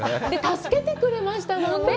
助けてくれましたね。